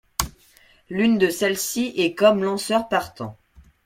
L'une de celles-ci est comme lanceur partant.